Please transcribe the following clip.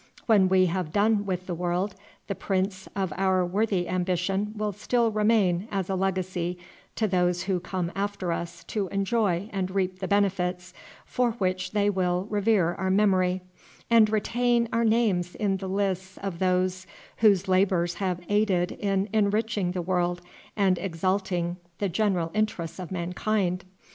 When we have done with the world the prints of our worthy ambition will still remain as a legacy to those who come after us to enjoy and reap the benefits, for which they will revere our memory, and retain our names in the lists of those whose labors have aided in enriching the world and exalting the general interests of mankind.